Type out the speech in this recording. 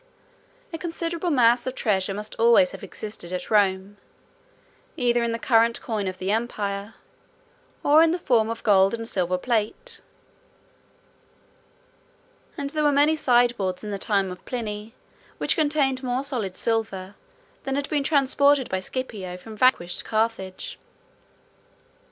31 A considerable mass of treasure must always have existed at Rome, either in the current coin of the empire, or in the form of gold and silver plate; and there were many sideboards in the time of Pliny which contained more solid silver, than had been transported by Scipio from vanquished Carthage.